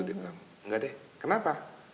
dia bilang enggak deh kenapa